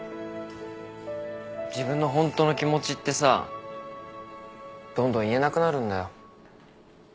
自分の本当の気持ちってさどんどん言えなくなるんだよ。